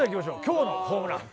「今日のホームラン」